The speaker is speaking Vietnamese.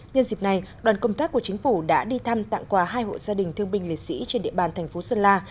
nhân dịp này đoàn công tác của chính phủ đã đi thăm tặng quà hai hộ gia đình thương binh liệt sĩ trên địa bàn thành phố sơn la